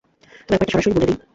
তো, ব্যাপারটা সরাসরি বলে দেই।